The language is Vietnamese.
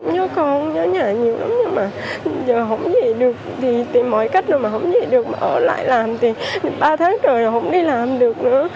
nhớ con nhớ nhà nhiều lắm nhưng mà giờ không về được thì tìm mọi cách rồi mà không về được mà ở lại làm thì ba tháng rồi rồi không đi làm được nữa